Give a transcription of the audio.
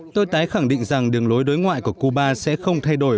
tôi tái khẳng định rằng đường lối đối ngoại của cuba sẽ không thay đổi